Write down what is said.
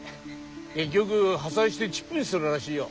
結局破砕してチップにするらしいよ。